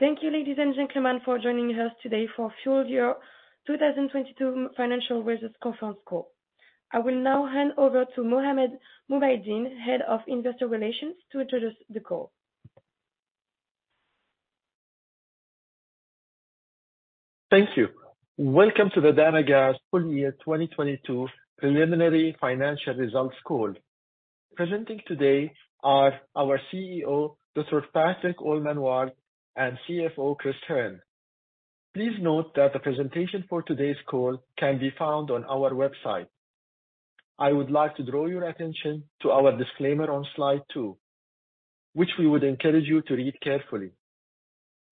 Thank you, ladies and gentlemen, for joining us today for full year 2022 financial results conference call. I will now hand over to Mohammed Mubaideen, Head of Investor Relations, to introduce the call. Thank you. Welcome to the Dana Gas full year 2022 preliminary financial results call. Presenting today are our CEO, Dr. Patrick Allman-Ward, and CFO, Chris Hearne. Please note that the presentation for today's call can be found on our website. I would like to draw your attention to our disclaimer on slide 2, which we would encourage you to read carefully.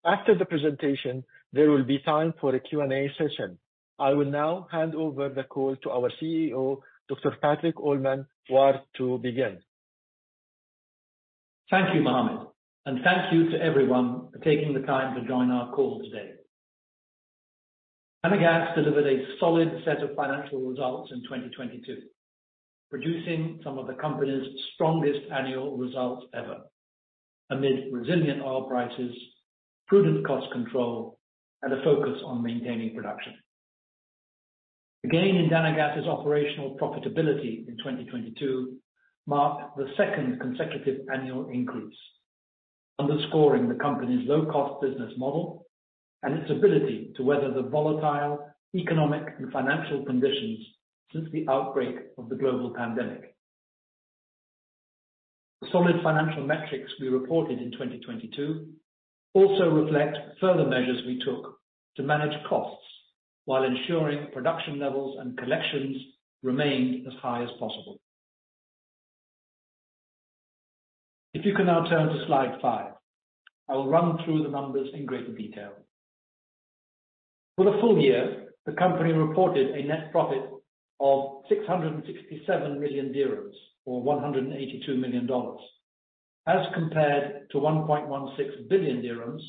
After the presentation, there will be time for a Q&A session. I will now hand over the call to our CEO, Dr. Patrick Allman-Ward, to begin. Thank you, Mohammed, and thank you to everyone for taking the time to join our call today. Dana Gas delivered a solid set of financial results in 2022, producing some of the company's strongest annual results ever amid resilient oil prices, prudent cost control and a focus on maintaining production. The gain in Dana Gas's operational profitability in 2022 marked the second consecutive annual increase, underscoring the company's low cost business model and its ability to weather the volatile economic and financial conditions since the outbreak of the global pandemic. The solid financial metrics we reported in 2022 also reflect further measures we took to manage costs while ensuring production levels and collections remained as high as possible. If you can now turn to slide five, I will run through the numbers in greater detail. For the full year, the company reported a net profit of 667 million dirhams, or $182 million as compared to 1.16 billion dirhams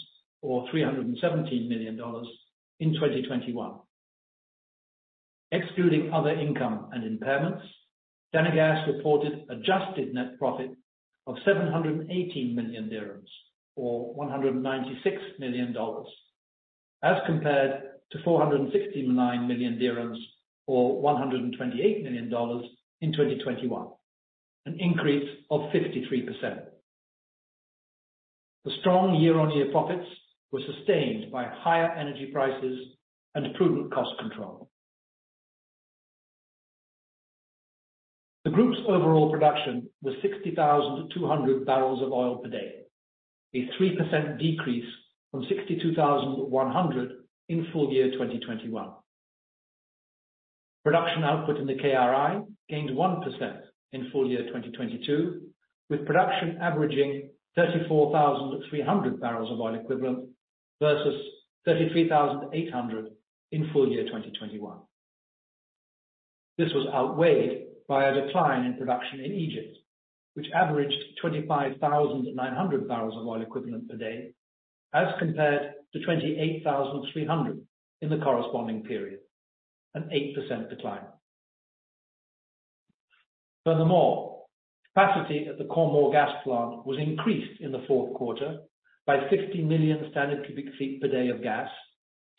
or $317 million in 2021. Excluding other income and impairments, Dana Gas reported adjusted net profit of 718 million dirhams or $196 million, as compared to 469 million dirhams or $128 million in 2021. Increase of 53%. The strong year-on-year profits were sustained by higher energy prices and prudent cost control. The group's overall production was 6,200 barrels of oil per day, a 3% decrease from 62,100 in full year 2021. Production output in the KRI gained 1% in full year 2022, with production averaging 34,300 barrels of oil equivalent versus 33,800 in full year 2021. This was outweighed by a decline in production in Egypt, which averaged 25,900 barrels of oil equivalent per day as compared to 28,300 in the corresponding period. An 8% decline. Capacity at the Khor Mor gas plant was increased in the fourth quarter by 60 million standard cu ft per day of gas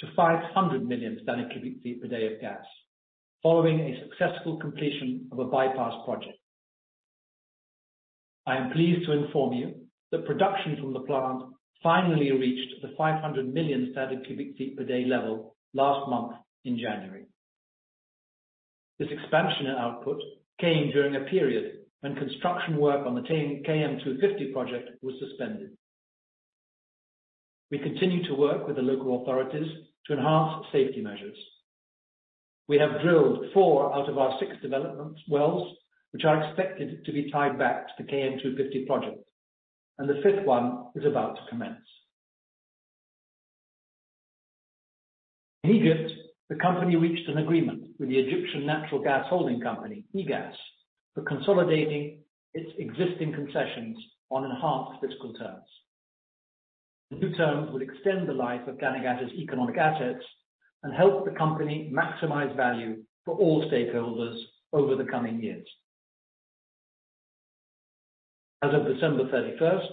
to 500 million standard cu ft per day of gas. Following a successful completion of a bypass project. I am pleased to inform you that production from the plant finally reached the 500 million standard cu ft per day level last month in January. This expansion in output came during a period when construction work on the KM250 project was suspended. We continue to work with the local authorities to enhance safety measures. We have drilled four out of our six development wells, which are expected to be tied back to the KM250 project, and the fifth one is about to commence. In Egypt, the company reached an agreement with the Egyptian Natural Gas Holding Company, EGAS, for consolidating its existing concessions on enhanced fiscal terms. The new terms would extend the life of Dana Gas's economic assets and help the company maximize value for all stakeholders over the coming years. As of December 31st,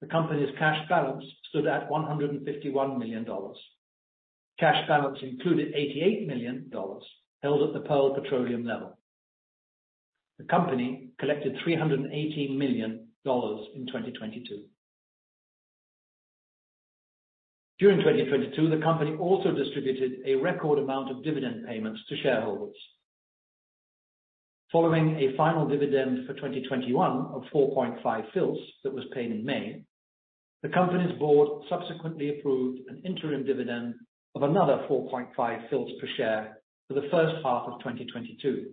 the company's cash balance stood at $151 million. Cash balance included $88 million held at the Pearl Petroleum level. The company collected $318 million in 2022. During 2022, the company also distributed a record amount of dividend payments to shareholders. Following a final dividend for 2021 of 4.5 fils that was paid in May. The company's board subsequently approved an interim dividend of another 4.5 fils per share for the first half of 2022,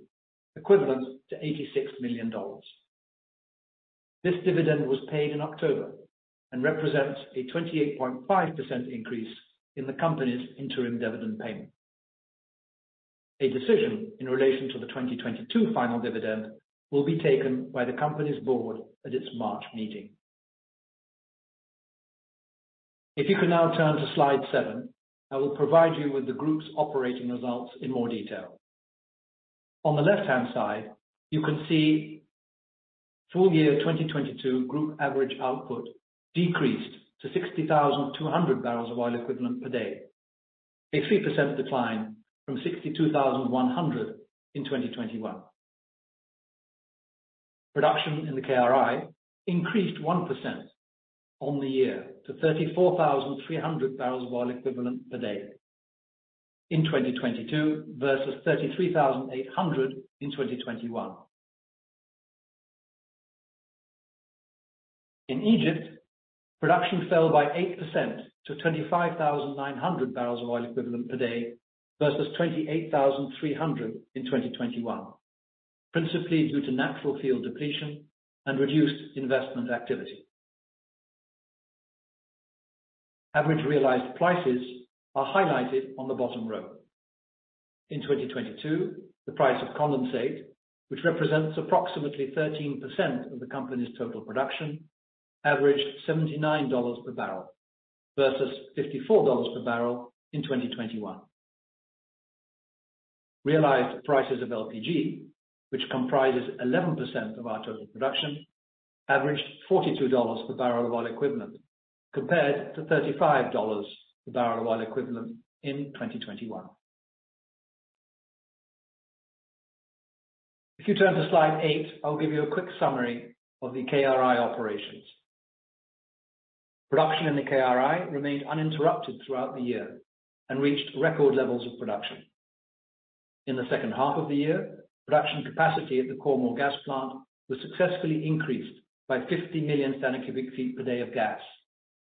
equivalent to $86 million. This dividend was paid in October and represents a 28.5% increase in the company's interim dividend payment. A decision in relation to the 2022 final dividend will be taken by the company's board at its March meeting. If you can now turn to slide seven, I will provide you with the group's operating results in more detail. On the left-hand side, you can see full year 2022 group average output decreased to 60,200 barrels of oil equivalent per day, a 3% decline from 62,100 in 2021. Production in the KRI increased 1% on the year to 34,300 barrels of oil equivalent per day in 2022 versus 33,800 in 2021. In Egypt, production fell by 8% to 25,900 barrels of oil equivalent per day versus 28,300 in 2021, principally due to natural field depletion and reduced investment activity. Average realized prices are highlighted on the bottom row. In 2022, the price of condensate, which represents approximately 13% of the company's total production, averaged $79 per barrel versus $54 per barrel in 2021. Realized prices of LPG, which comprises 11% of our total production, averaged $42 per barrel of oil equivalent compared to $35 per barrel of oil equivalent in 2021. If you turn to slide eight, I'll give you a quick summary of the KRI operations. Production in the KRI remained uninterrupted throughout the year and reached record levels of production. In the second half of the year, production capacity at the Khor Mor gas plant was successfully increased by 50 million standard cu ft per day of gas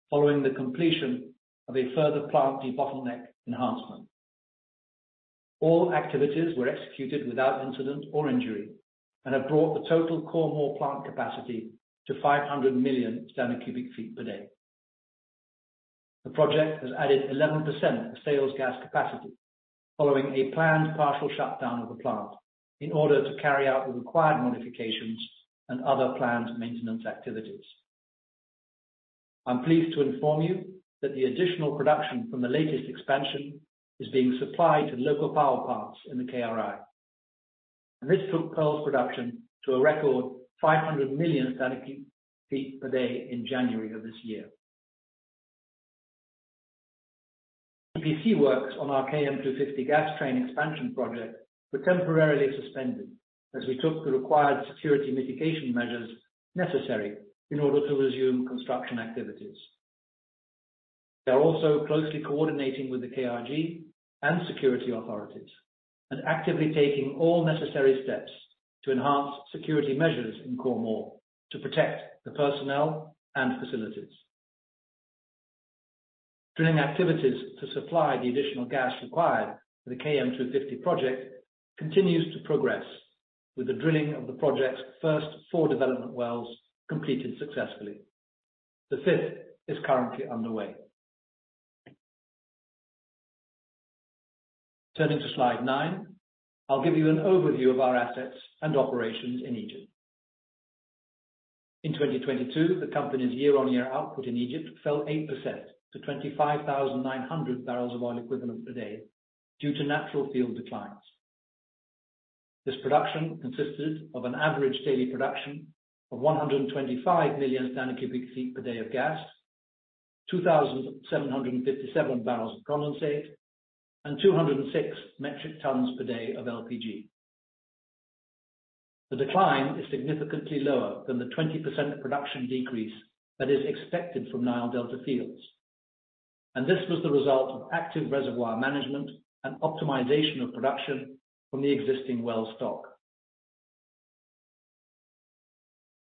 following the completion of a further plant debottleneck enhancement. All activities were executed without incident or injury and have brought the total Khor Mor plant capacity to 500 million standard cu ft per day. The project has added 11% of sales gas capacity following a planned partial shutdown of the plant in order to carry out the required modifications and other planned maintenance activities. I'm pleased to inform you that the additional production from the latest expansion is being supplied to local power plants in the KRI. This took Khor Mor's production to a record 500 million standard cu ft per day in January of this year. EPC works on our KM250 gas train expansion project were temporarily suspended as we took the required security mitigation measures necessary in order to resume construction activities. We are also closely coordinating with the KRG and security authorities and actively taking all necessary steps to enhance security measures in Khor Mor to protect the personnel and facilities. Drilling activities to supply the additional gas required for the KM250 project continues to progress with the drilling of the project's first four development wells completed successfully. The fifth is currently underway. Turning to slide nine, I'll give you an overview of our assets and operations in Egypt. In 2022, the company's year-on-year output in Egypt fell 8% to 25,900 barrels of oil equivalent per day due to natural field declines. This production consisted of an average daily production of 125 million standard cu ft per day of gas, 2,757 barrels of condensate, and 206 metric tons per day of LPG. The decline is significantly lower than the 20% production decrease that is expected from Nile Delta fields. This was the result of active reservoir management and optimization of production from the existing well stock.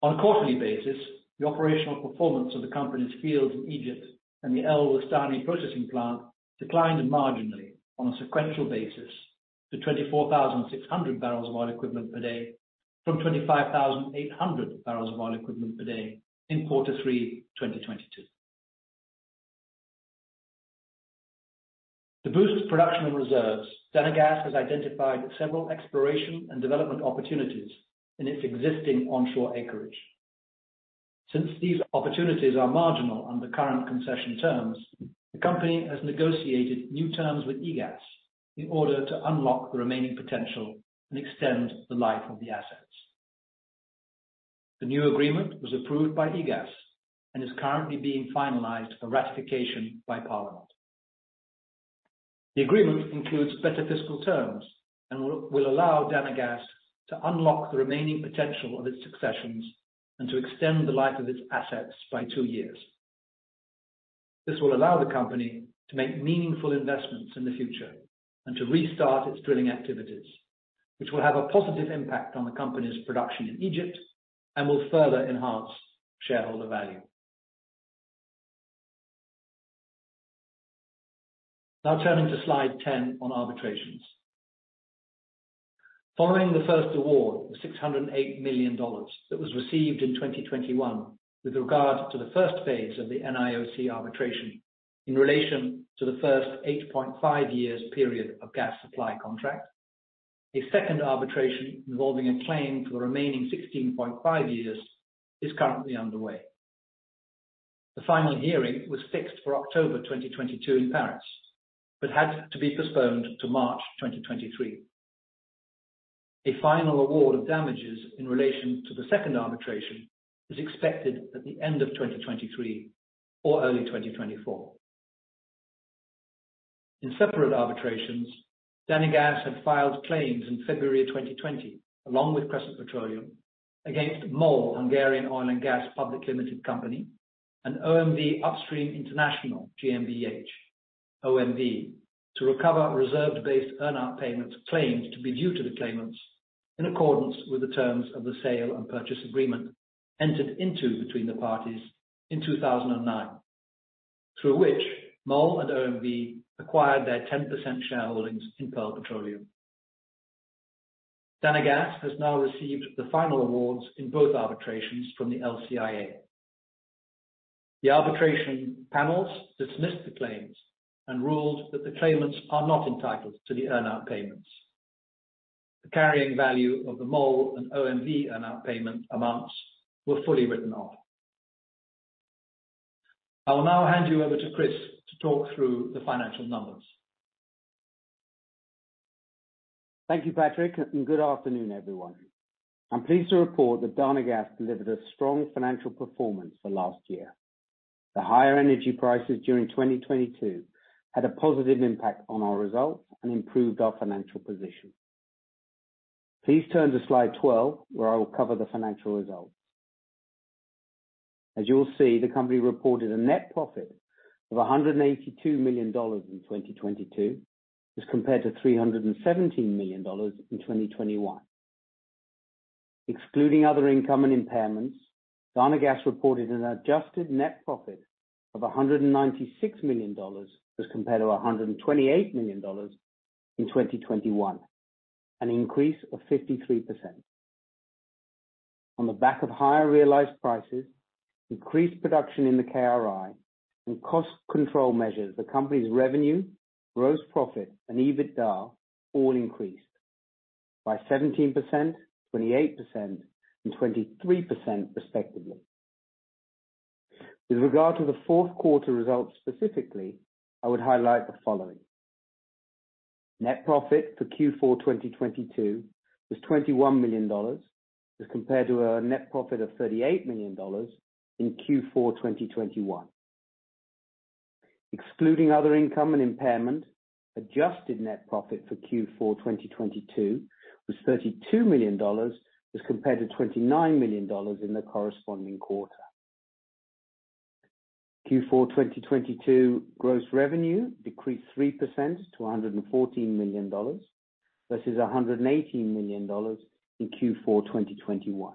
On a quarterly basis, the operational performance of the company's fields in Egypt and the El Wastani processing plant declined marginally on a sequential basis to 24,600 barrels of oil equivalent per day from 25,800 barrels of oil equivalent per day in Q3 2022. To boost production and reserves, Dana Gas has identified several exploration and development opportunities in its existing onshore acreage. Since these opportunities are marginal under current concession terms, the company has negotiated new terms with EGAS in order to unlock the remaining potential and extend the life of the assets. The new agreement was approved by EGAS and is currently being finalized for ratification by parliament. The agreement includes better fiscal terms and will allow Dana Gas to unlock the remaining potential of its successions and to extend the life of its assets by two years. This will allow the company to make meaningful investments in the future and to restart its drilling activities, which will have a positive impact on the company's production in Egypt and will further enhance shareholder value. Now turning to slide 10 on arbitrations. Following the first award of $608 million that was received in 2021 with regard to the first Phase of the NIOC arbitration in relation to the first 8.5 years period of gas supply contract, a second arbitration involving a claim for remaining 16.5 years is currently underway. The final hearing was fixed for October 2022 in Paris, but had to be postponed to March 2023. A final award of damages in relation to the second arbitration is expected at the end of 2023 or early 2024. In separate arbitrations, Dana Gas had filed claims in February 2020, along with Crescent Petroleum against MOL Hungarian Oil and Gas Public Limited Company and OMV Upstream International GmbH, OMV, to recover reserve-based earn-out payments claimed to be due to the claimants in accordance with the terms of the sale and purchase agreement entered into between the parties in 2009, through which MOL and OMV acquired their 10% shareholdings in Pearl Petroleum. Dana Gas has now received the final awards in both arbitrations from the LCIA. The arbitration panels dismissed the claims and ruled that the claimants are not entitled to the earn-out payments. The carrying value of the MOL and OMV earn-out payment amounts were fully written off. I will now hand you over to Chris to talk through the financial numbers. Thank you, Patrick, and good afternoon, everyone. I'm pleased to report that Dana Gas delivered a strong financial performance for last year. The higher energy prices during 2022 had a positive impact on our results and improved our financial position. Please turn to slide 12, where I will cover the financial results. As you will see, the company reported a net profit of $182 million in 2022 as compared to $317 million in 2021. Excluding other income and impairments, Dana Gas reported an adjusted net profit of $196 million as compared to $128 million in 2021, an increase of 53%. On the back of higher realized prices, increased production in the KRI, and cost control measures, the company's revenue, gross profit, and EBITDA all increased by 17%, 28%, and 23% respectively. With regard to the fourth quarter results specifically, I would highlight the following. Net profit for Q4 2022 was $21 million as compared to a net profit of $38 million in Q4 2021. Excluding other income and impairment, adjusted net profit for Q4 2022 was $32 million as compared to $29 million in the corresponding quarter. Q4 2022 gross revenue decreased 3% to $114 million versus $118 million in Q4 2021.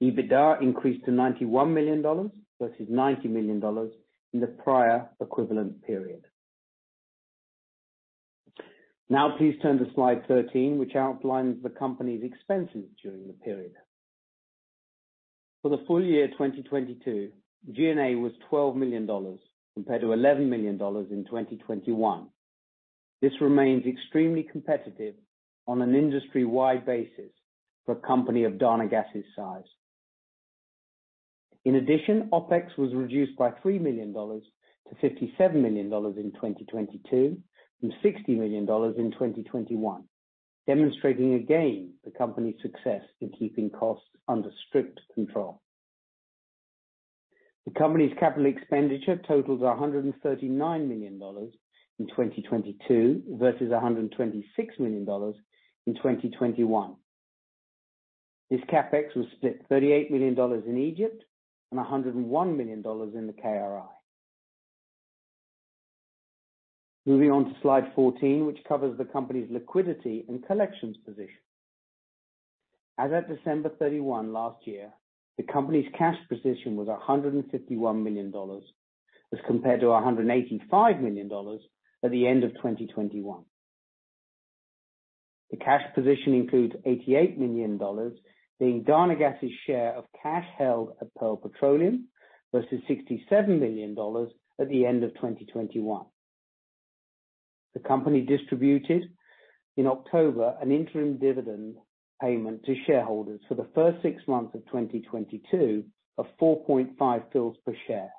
EBITDA increased to $91 million versus $90 million in the prior equivalent period. Now please turn to slide 13, which outlines the company's expenses during the period. For the full year 2022, G&A was $12 million compared to $11 million in 2021. This remains extremely competitive on an industry-wide basis for a company of Dana Gas's size. In addition, OpEx was reduced by $3 million to $57 million in 2022 from $60 million in 2021, demonstrating again the company's success in keeping costs under strict control. The company's capital expenditure totaled $139 million in 2022 versus $126 million in 2021. This CapEx was split $38 million in Egypt and $101 million in the KRI. Moving on to slide 14, which covers the company's liquidity and collections position. As at December 31 last year, the company's cash position was $151 million as compared to $185 million at the end of 2021. The cash position includes $88 million, being Dana Gas's share of cash held at Pearl Petroleum versus $67 million at the end of 2021. The company distributed in October an interim dividend payment to shareholders for the first six months of 2022 of 4.5 fils per share,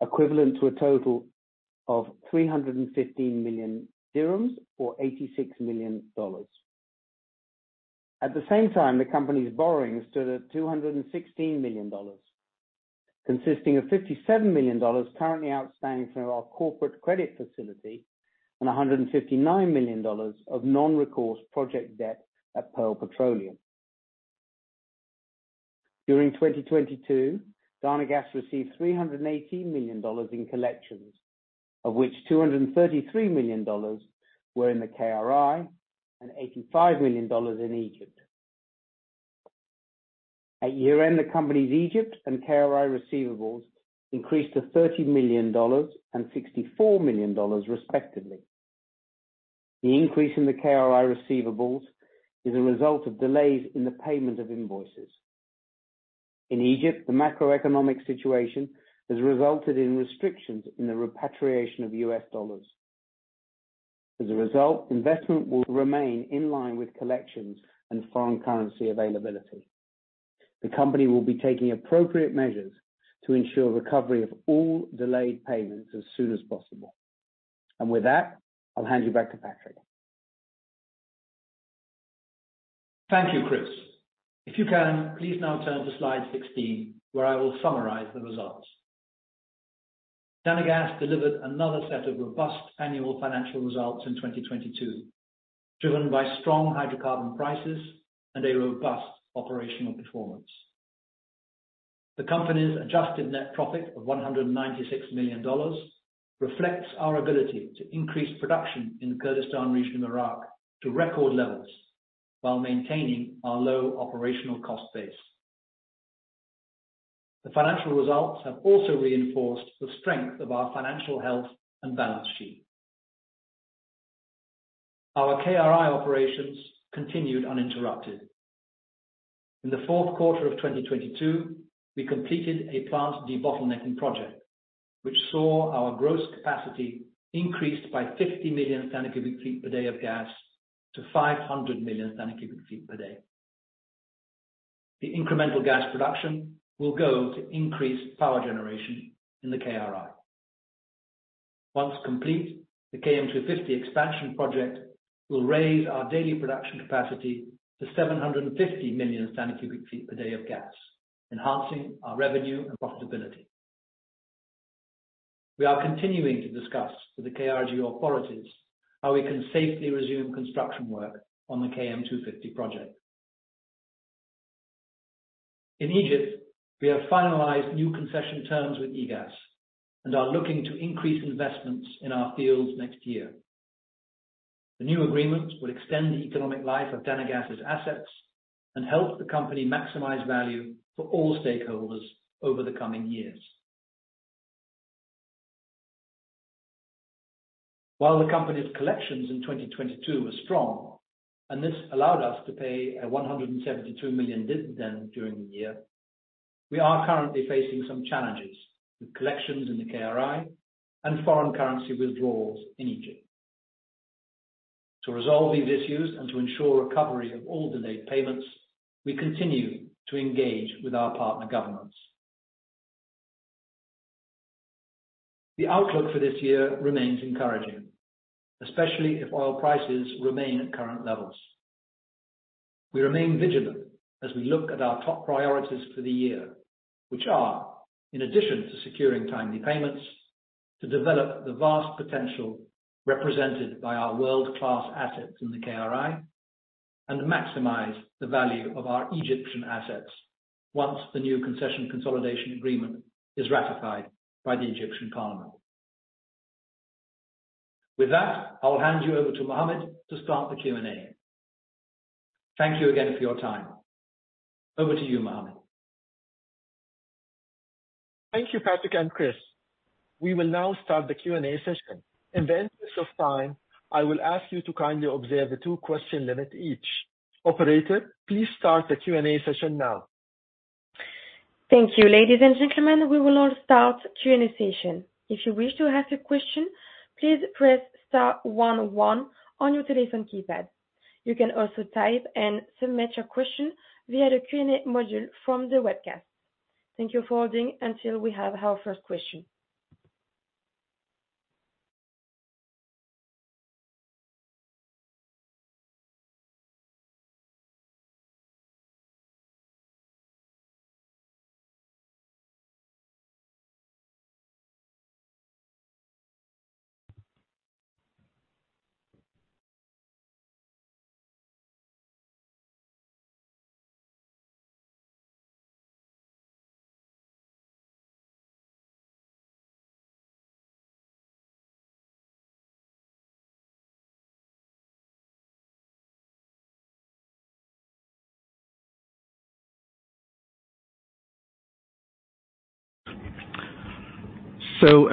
equivalent to a total of 315 million dirhams or $86 million. At the same time, the company's borrowings stood at $216 million, consisting of $57 million currently outstanding from our corporate credit facility and $159 million of non-recourse project debt at Pearl Petroleum. During 2022, Dana Gas received $318 million in collections, of which $233 million were in the KRI and $85 million in Egypt. At year-end, the company's Egypt and KRI receivables increased to $30 million and $64 million respectively. The increase in the KRI receivables is a result of delays in the payment of invoices. In Egypt, the macroeconomic situation has resulted in restrictions in the repatriation of U.S. dollars. As a result, investment will remain in line with collections and foreign currency availability. The company will be taking appropriate measures to ensure recovery of all delayed payments as soon as possible. With that, I'll hand you back to Patrick. Thank you, Chris Hearne. If you can, please now turn to slide 16, where I will summarize the results. Dana Gas delivered another set of robust annual financial results in 2022, driven by strong hydrocarbon prices and a robust operational performance. The company's adjusted net profit of $196 million reflects our ability to increase production in the Kurdistan Region of Iraq to record levels while maintaining our low operational cost base. The financial results have also reinforced the strength of our financial health and balance sheet. Our KRI operations continued uninterrupted. In the Q4 of 2022, we completed a plant debottlenecking project, which saw our gross capacity increased by 50 million standard cu ft per day of gas to 500 million standard cu ft per day. The incremental gas production will go to increase power generation in the KRI. Once complete, the KM250 expansion project will raise our daily production capacity to 750 million standard cu ft per day of gas, enhancing our revenue and profitability. We are continuing to discuss with the KRG authorities how we can safely resume construction work on the KM250 project. In Egypt, we have finalized new concession terms with EGAS and are looking to increase investments in our fields next year. The new agreements will extend the economic life of Dana Gas's assets and help the company maximize value for all stakeholders over the coming years. While the company's collections in 2022 were strong, this allowed us to pay a $172 million dividend during the year, we are currently facing some challenges with collections in the KRI and foreign currency withdrawals in Egypt. To resolve these issues and to ensure recovery of all delayed payments, we continue to engage with our partner governments. The outlook for this year remains encouraging, especially if oil prices remain at current levels. We remain vigilant as we look at our top priorities for the year, which are, in addition to securing timely payments, to develop the vast potential represented by our world-class assets in the KRI and maximize the value of our Egyptian assets once the new concession consolidation agreement is ratified by the Egyptian parliament. I will hand you over to Mohammed to start the Q&A. Thank you again for your time. Over to you, Mohammed. Thank you, Patrick and Chris. We will now start the Q&A session. In the interest of time, I will ask you to kindly observe the two-question limit each. Operator, please start the Q&A session now. Thank you. Ladies and gentlemen, we will now start Q&A session. If you wish to ask a question, please press star one one on your telephone keypad. You can also type and submit your question via the Q&A module from the webcast. Thank you for holding until we have our first question.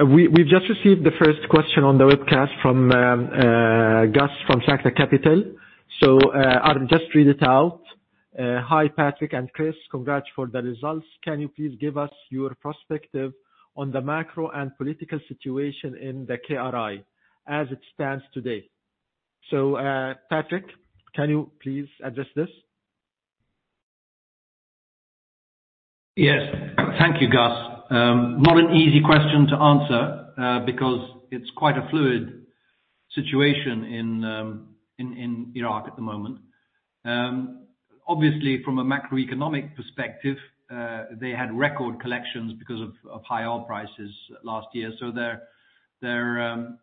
We've just received the first question on the webcast from Gus from SICO Capital. I'll just read it out. Hi, Patrick and Chris. Congrats for the results. Can you please give us your perspective on the macro and political situation in the KRI as it stands today? Patrick, can you please address this? Yes. Thank you, Gus. Not an easy question to answer because it's quite a fluid situation in Iraq at the moment. Obviously from a macroeconomic perspective, they had record collections because of high oil prices last year. Their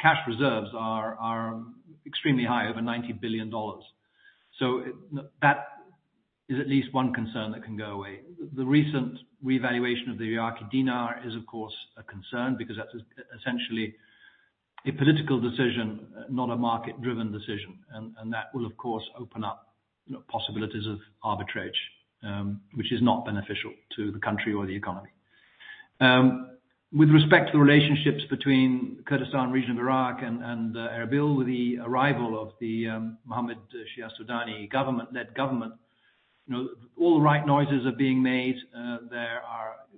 cash reserves are extremely high, over $90 billion. That is at least one concern that can go away. The recent revaluation of the Iraqi dinar is of course a concern because that's essentially a political decision, not a market-driven decision. That will of course open up possibilities of arbitrage, which is not beneficial to the country or the economy. With respect to the relationships between Kurdistan Region of Iraq and Erbil, with the arrival of the Mohammed Shia' Al Sudani government-led government all the right noises are being made.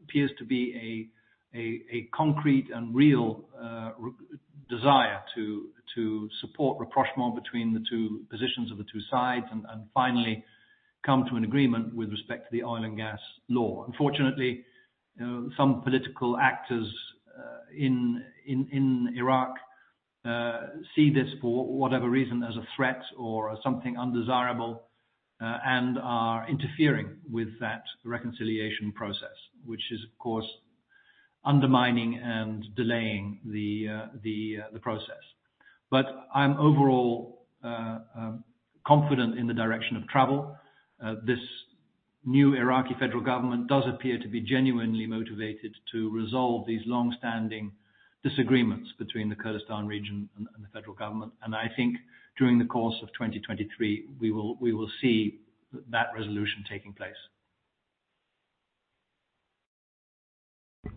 Appears to be a concrete and real desire to support rapprochement between the two positions of the two sides and finally come to an agreement with respect to the oil and gas law. unfortunately some political actors in Iraq see this for whatever reason as a threat or as something undesirable and are interfering with that reconciliation process. Which is, of course, undermining and delaying the process. I'm overall confident in the direction of travel. This new Iraqi federal government does appear to be genuinely motivated to resolve these long-standing disagreements between the Kurdistan region and the federal government. I think during the course of 2023, we will see that resolution taking place.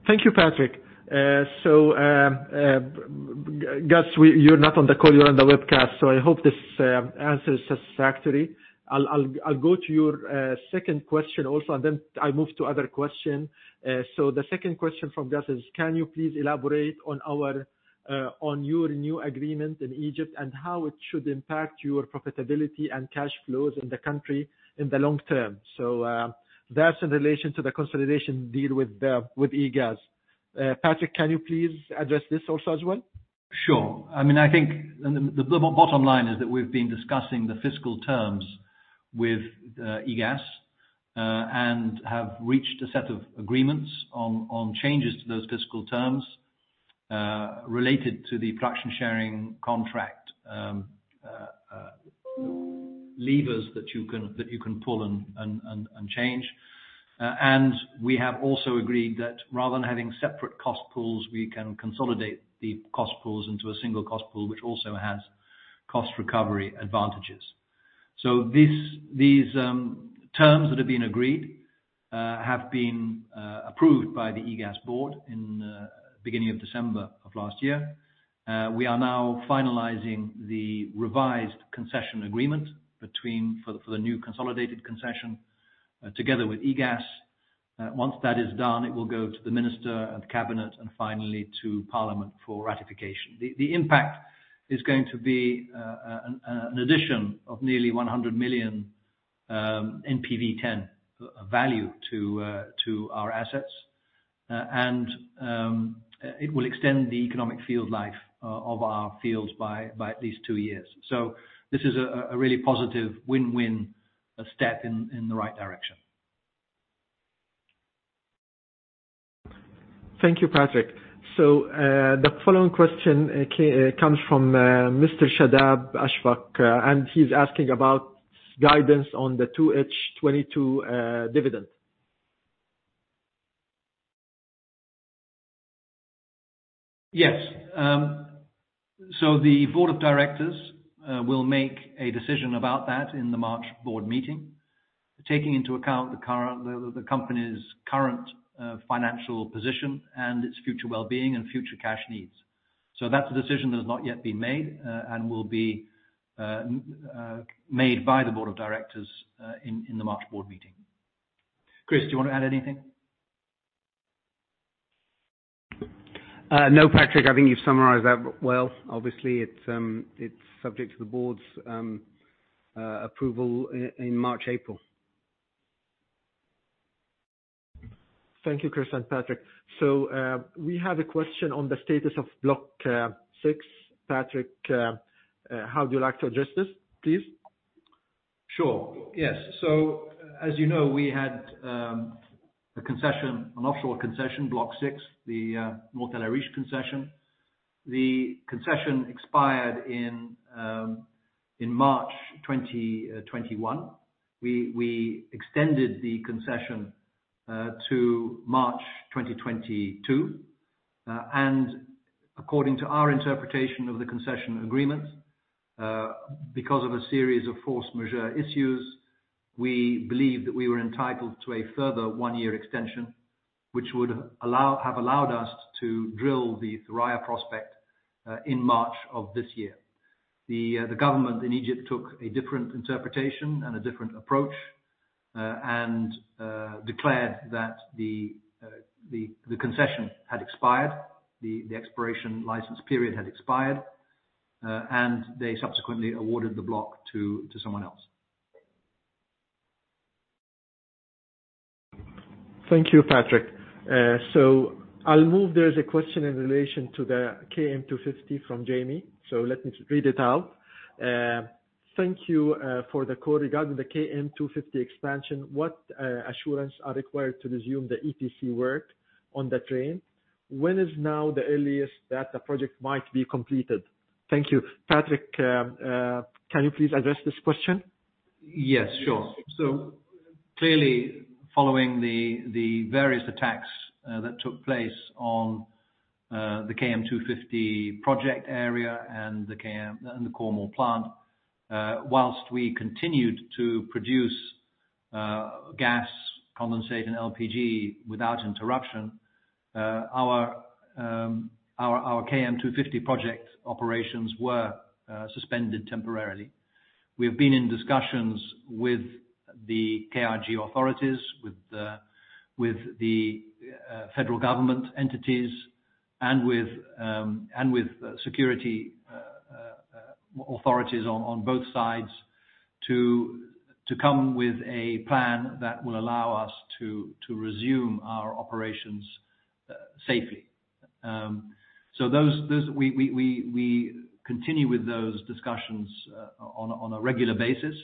Thank you, Patrick. Gus, you're not on the call, you're on the webcast, so I hope this answer is satisfactory. I'll go to your second question also, and then I move to other question. The second question from Gus is: Can you please elaborate on our on your new agreement in Egypt and how it should impact your profitability and cash flows in the country in the long term? That's in relation to the consolidation deal with EGAS. Patrick, can you please address this also as well? Sure. I mean, I think the bottom line is that we've been discussing the fiscal terms with EGAS and have reached a set of agreements on changes to those fiscal terms related to the production sharing contract levers that you can pull and change. We have also agreed that rather than having separate cost pools, we can consolidate the cost pools into a single cost pool, which also has cost recovery advantages. These terms that have been agreed have been approved by the EGAS board in beginning of December of last year. We are now finalizing the revised concession agreement for the new consolidated concession together with EGAS. Once that is done, it will go to the minister and cabinet and finally to parliament for ratification. The impact is going to be an addition of nearly $100 million NPV10 value to our assets. It will extend the economic field life of our fields by at least two years. This is a really positive win-win, a step in the right direction. Thank you, Patrick. The following question comes from Mr. Shadab Ashfaq, and he's asking about guidance on the 2H22 dividend. Yes. The board of directors will make a decision about that in the March board meeting, taking into account the company's current financial position and its future wellbeing and future cash needs. That's a decision that has not yet been made and will be made by the board of directors in the March board meeting. Chris, do you want to add anything? No, Patrick, I think you've summarized that well. Obviously, it's subject to the board's approval in March, April. Thank you, Chris and Patrick. we have a question on the status of Block 6. Patrick, how would you like to address this, please? Yes. As we had a concession, an offshore concession, Block 6, the North El Arish concession. The concession expired in March 2021. We extended the concession to March 2022. According to our interpretation of the concession agreement, because of a series of force majeure issues, we believe that we were entitled to a further one-year extension, which would have allowed us to drill the Thuraya prospect in March of this year. The government in Egypt took a different interpretation and a different approach and declared that the concession had expired, the exploration license period had expired, and they subsequently awarded the block to someone else. Thank you, Patrick. I'll move. There is a question in relation to the KM250 from Jamie. Let me read it out. Thank you for the call. Regarding the KM250 expansion, what assurance are required to resume the EPC work on the train? When is now the earliest that the project might be completed? Thank you. Patrick, can you please address this question? Yes, sure. Clearly, following the various attacks that took place on the KM 250 project area and the Khor Mor plant, whilst we continued to produce gas, condensate, and LPG without interruption. Our KM 250 project operations were suspended temporarily. We have been in discussions with the KRG authorities, with the Federal Government entities and with security authorities on both sides to come with a plan that will allow us to resume our operations safely. We continue with those discussions on a regular basis.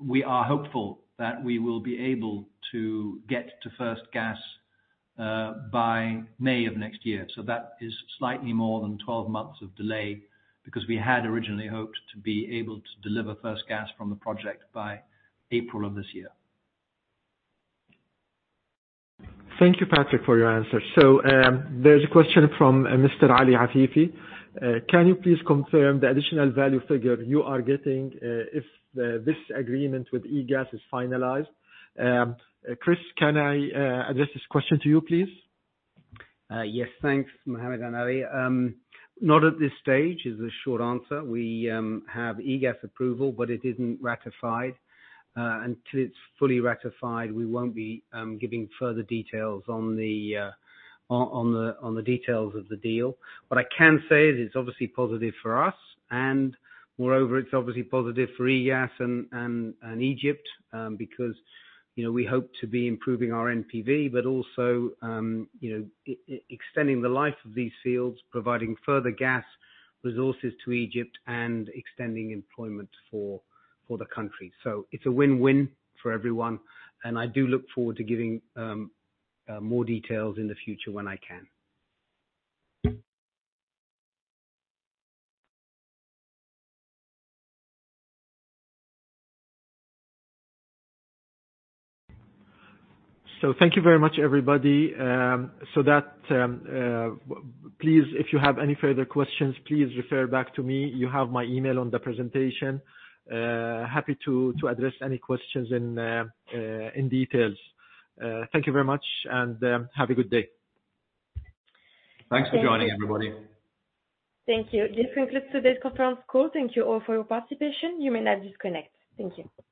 We are hopeful that we will be able to get to first gas by May of next year. That is slightly more than 12 months of delay because we had originally hoped to be able to deliver first gas from the project by April of this year. Thank you, Patrick, for your answer. There's a question from Mr. Ali Afifi. Can you please confirm the additional value figure you are getting if this agreement with EGAS is finalized? Chris, can I address this question to you, please? Yes. Thanks, Mohammed Ali. Not at this stage is the short answer. We have EGAS approval, but it isn't ratified. Until it's fully ratified, we won't be giving further details on the details of the deal. What I can say is it's obviously positive for us, and moreover, it's obviously positive for EGAS and Egypt, because we hope to be improving our NPV, but also extending the life of these fields, providing further gas resources to Egypt and extending employment for the country. It's a win-win for everyone. I do look forward to giving more details in the future when I can. Thank you very much, everybody. Please, if you have any further questions, please refer back to me. You have my email on the presentation. Happy to address any questions in details. Thank you very much, have a good day. Thanks for joining, everybody. Thank you. This concludes today's conference call. Thank you all for your participation. You may now disconnect. Thank you.